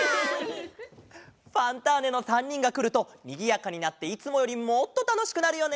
「ファンターネ！」の３にんがくるとにぎやかになっていつもよりもっとたのしくなるよね。